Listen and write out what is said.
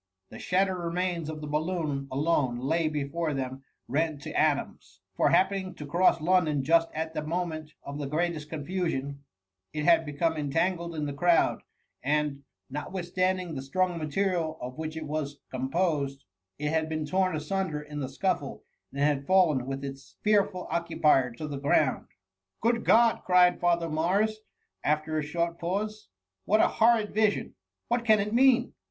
The shattered remains of the balloon alone lay before them rent to atoms ; for happening to cross London just at the moment of the greatest confusion, it had become en* tangled in the crowd, and, notwithstanding the strong material of which it was composed, it THE MUMMY. 28<9 had been torn asunder in the scuffle, and had fallen with its fearful occupier to the ground. '" Good God P cried Father Morris, after a short pause ;*^ what a horrid vision ! what can it mean